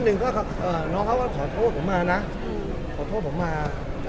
เมื่อคืนเขาได้ขอโทษขอโทษอันหนึ่งน้องเขาก็ขอโทษผมมานะขอโทษผมมา